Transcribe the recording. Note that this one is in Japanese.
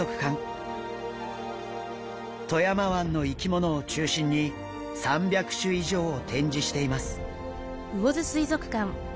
富山湾の生き物を中心に３００種以上を展示しています。